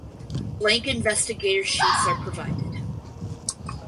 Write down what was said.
Blank Investigator sheets are provided.